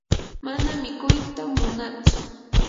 mana mikuyta munatsu.